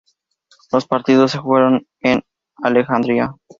Los partidos se jugaron en Alejandría.